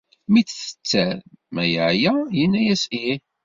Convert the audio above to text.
Mi t-tetter ma yeɛya, yenna-as ih.